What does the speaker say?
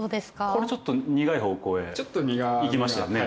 これちょっと苦い方向へいきましたよね？